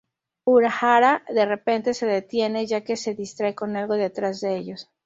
Urahara de repente se detiene, ya que se distrae con algo detrás de ellos.